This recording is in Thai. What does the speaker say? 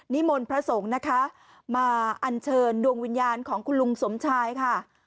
มนต์พระสงฆ์นะคะมาอัญเชิญดวงวิญญาณของคุณลุงสมชายค่ะ